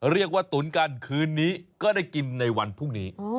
ตุ๋นกันคืนนี้ก็ได้กินในวันพรุ่งนี้